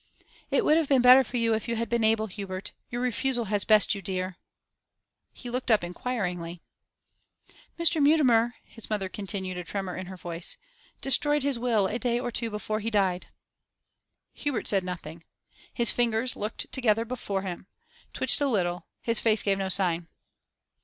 'It would have been better for you if you had been able, Hubert. Your refusal has best you dear.' He looked up inquiringly. 'Mr. Mutimer,' his mother continued, a tremor in her voice, 'destroyed his will a day or two before he died.' Hubert said nothing. His fingers, looked together before him, twitched a little; his face gave no sign.